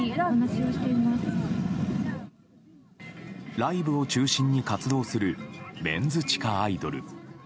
ライブを中心に活動するメンズ地下アイドル。